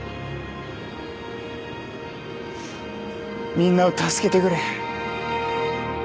みんなを助けてくれ。